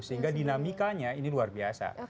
sehingga dinamikanya ini luar biasa